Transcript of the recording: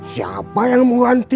siapa yang mau dihanti